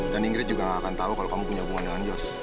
dan ingrid juga gak akan tahu kalau kamu punya hubungan dengan jos